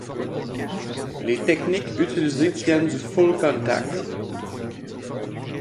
Les techniques utilisées tiennent du Full-contact.